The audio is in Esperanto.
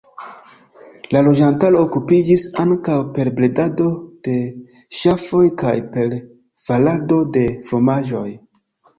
La loĝantaro okupiĝis ankaŭ per bredado de ŝafoj kaj per farado de fromaĝoj.